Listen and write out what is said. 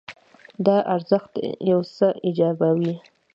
دا ارزښت یو څه ایجابوي.